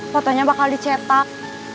fotonya bakal dicetak